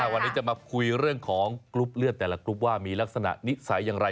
วันนี้จะมาคุยเรื่องของกรุ๊ปเลือดแต่ละกรุ๊ปว่ามีลักษณะนิสัยอย่างไร